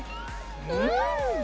うん！